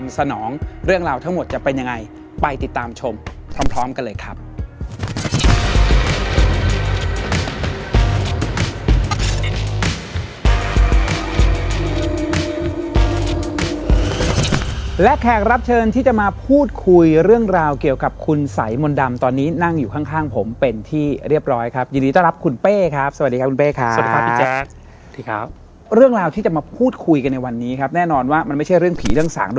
สนองเรื่องราวทั้งหมดจะเป็นยังไงไปติดตามชมพร้อมกันเลยครับและแขกรับเชิญที่จะมาพูดคุยเรื่องราวเกี่ยวกับคุณไสมนต์ดำตอนนี้นั่งอยู่ข้างผมเป็นที่เรียบร้อยครับยินดีต้อนรับคุณเป้ครับสวัสดีครับคุณเป้ค่ะสวัสดีครับพี่แจ๊กสวัสดีครับเรื่องราวที่จะมาพูดคุยกันในวันนี้ครับแน่นอนว่ามันไม่ใช่